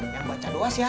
yang baca doa siapa